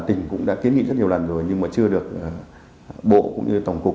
tỉnh cũng đã kiến nghị rất nhiều lần rồi nhưng mà chưa được bộ cũng như tổng cục